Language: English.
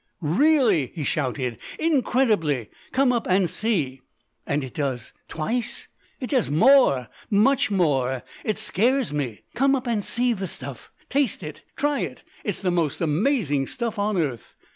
"Really!" he shouted. "Incredibly! Come up and see." "And it does twice? "It does more, much more. It scares me. Come up and see the stuff. Taste it! Try it! It's the most amazing stuff on earth."